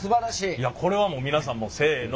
いやこれはもう皆さんせの。